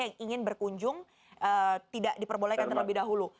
yang ingin berkunjung tidak diperbolehkan terlebih dahulu